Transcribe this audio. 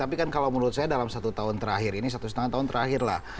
tapi kan kalau menurut saya dalam satu tahun terakhir ini satu setengah tahun terakhir lah